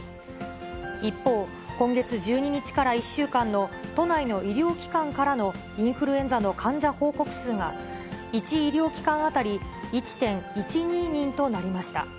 一方、今月１２日から１週間の都内の医療機関からのインフルエンザの患者報告数が、１医療機関当たり１．１２人となりました。